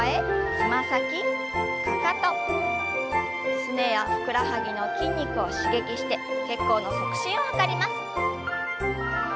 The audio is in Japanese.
すねやふくらはぎの筋肉を刺激して血行の促進を図ります。